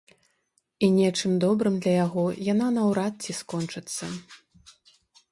І нечым добрым для яго яна наўрад ці скончыцца.